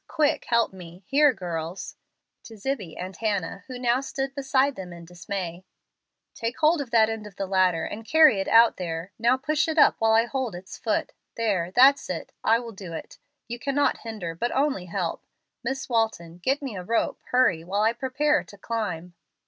Quick, help me. Here, girls" (to Zibbie and Hannah, who now stood beside them in dismay), "take hold of that end of the ladder and carry it out there. Now push it up while I hold its foot. There, that's it. I will do it. You cannot hinder, but only help. Miss Walton, get me a rope. Hurry, while I prepare to climb."